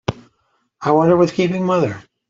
I wonder what's keeping mother?